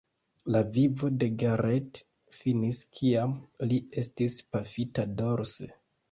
La vivo de Garrett finis kiam li estis pafita dorse.